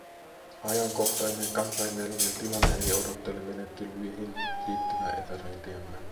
Ajankohtainen kansainvälinen tilanne ei odottele menettelyihin liittyvää epäröintiämme.